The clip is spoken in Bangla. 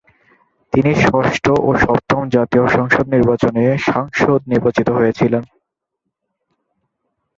তিনি ষষ্ঠ ও সপ্তম জাতীয় সংসদ নির্বাচনে সাংসদ নির্বাচিত হয়েছিলেন।